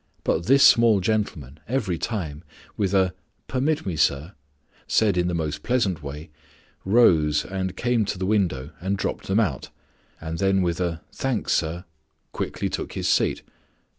But this small gentleman, every time, with a 'Permit me, sir,' said in the most pleasant way, rose and came to the window and dropped them out, and then with a 'Thanks, sir,' quietly took his seat.